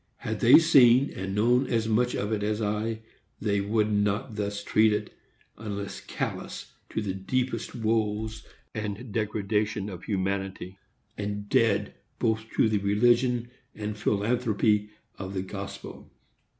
Had they seen and known as much of it as I, they could not thus treat it, unless callous to the deepest woes and degradation of humanity, and dead both to the religion and philanthropy of the gospel.